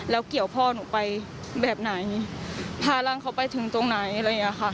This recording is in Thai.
แล้วเกี่ยวพ่อหนูไปแบบไหนพาลังเขาไปถึงตรงไหนเลยค่ะ